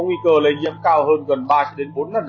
nguy cơ lây nhiễm cao hơn gần ba đến bốn lần